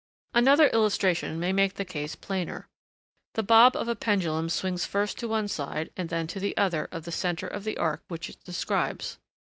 Another illustration may make the case plainer. The bob of a pendulum swings first to one side and then to the other of the centre of the arc which it describes.